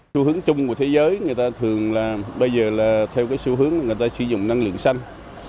xu hướng chung của thế giới người ta thường là bây giờ là theo cái xu hướng người ta sử dụng năng lượng xanh